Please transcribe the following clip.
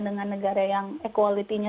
dengan negara yang equality nya